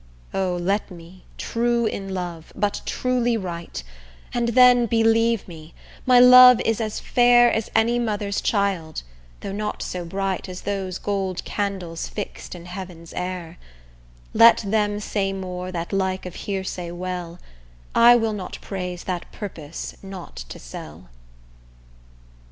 O! let me, true in love, but truly write, And then believe me, my love is as fair As any mother's child, though not so bright As those gold candles fix'd in heaven's air: Let them say more that like of hearsay well; I will not praise that purpose not to sell.